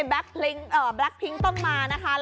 แบล็คพลิ้งเอ่อแบล็คพลิ้งต้องมานะคะ